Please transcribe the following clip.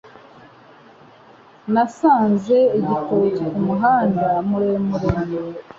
Nasanze igitoki kumuhanda muremure